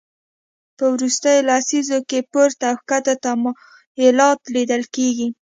په وروستیو لسیزو کې پورته او کښته تمایلات لیدل کېږي